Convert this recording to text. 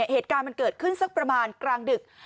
เหตุการณ์มันเกิดขึ้นสักประมาณกลางดึก